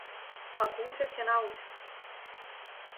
Ако учев ќе научев.